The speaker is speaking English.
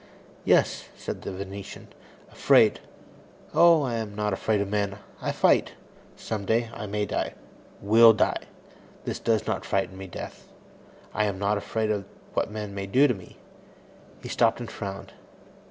"Yes," said the Venetian. "Afraid. Oh, I am not afraid of men. I fight. Some day, I may die will die. This does not frighten me, death. I am not afraid of what men may do to me." He stopped and frowned.